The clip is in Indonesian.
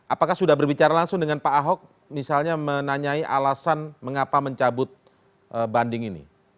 apakah sudah berbicara langsung dengan pak ahok misalnya menanyai alasan mengapa mencabut banding ini